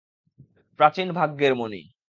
প্রাচীন ভাগ্যের মণি।